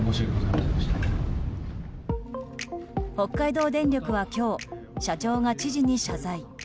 北海道電力は今日、社長が知事に謝罪。